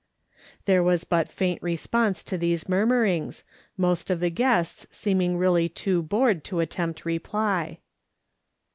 There was but faint response to these murmurings, most of the guests seeming really too bored to attempt reply.